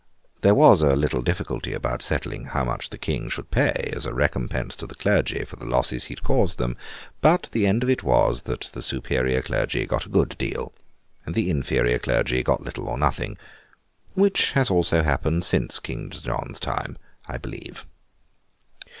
There was a little difficulty about settling how much the King should pay as a recompense to the clergy for the losses he had caused them; but, the end of it was, that the superior clergy got a good deal, and the inferior clergy got little or nothing—which has also happened since King John's time, I believe.